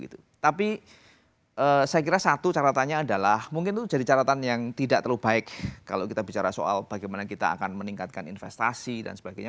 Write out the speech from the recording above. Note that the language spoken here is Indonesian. tapi saya kira satu caratannya adalah mungkin itu jadi catatan yang tidak terlalu baik kalau kita bicara soal bagaimana kita akan meningkatkan investasi dan sebagainya